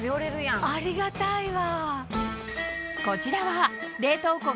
ありがたいわ。